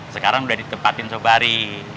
sekarang udah ditempatin sobari